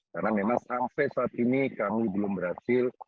karena memang sampai saat ini kami belum berhasil